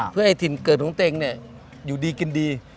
เพื่อให้ถิ่นเกิดของตัวเองอยู่ดีกินดี